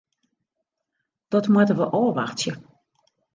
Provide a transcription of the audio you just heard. Dat moatte we ôfwachtsje.